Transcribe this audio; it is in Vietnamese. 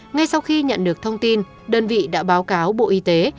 ngay sau khi nhận được thông tin đơn vị đã báo cáo bộ y tế